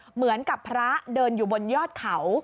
เหมือนกับพระเดินอยู่บนยอดเขา